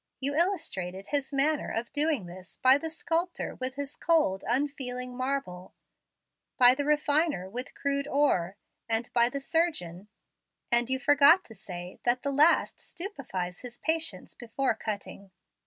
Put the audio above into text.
You illustrated His manner of doing this by the sculptor with his cold, unfeeling marble, by the refiner with crude ore, and by the surgeon, and you forgot to say that the last stupefies his patients before cutting.